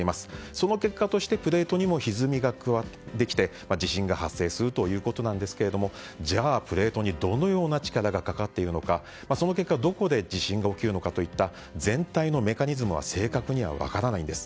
その結果としてプレートにもひずみができて地震が発生するということなんですがじゃあプレートにどのような力がかかっているのかその結果どこで地震が起きるのかという全体のメカニズムは正確には分からないんです。